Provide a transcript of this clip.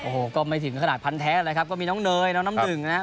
โอ้โหก็ไม่ถึงขนาดพันแท้เลยครับก็มีน้องเนยน้องน้ำหนึ่งนะครับ